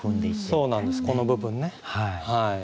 そうなんですこの部分ね。